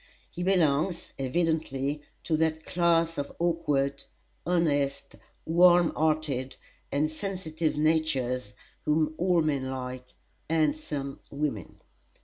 He belongs, evidently, to that class of awkward, honest, warm hearted, and sensitive natures whom all men like, and some women.